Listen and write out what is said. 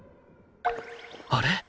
あれ？